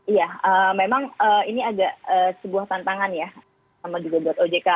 iya memang ini agak sebuah tantangan ya sama juga buat ojk